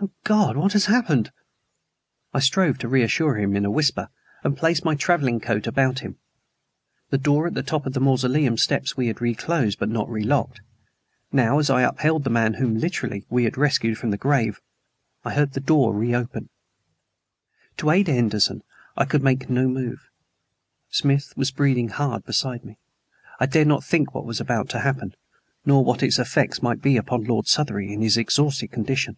Oh, God! what has happened?" I strove to reassure him in a whisper, and placed my traveling coat about him. The door at the top of the mausoleum steps we had reclosed but not relocked. Now, as I upheld the man whom literally we had rescued from the grave, I heard the door reopen. To aid Henderson I could make no move. Smith was breathing hard beside me. I dared not think what was about to happen, nor what its effects might be upon Lord Southery in his exhausted condition.